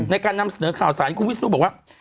ในการนำเสนอข่าวสารคุณวิศนุบอกว่า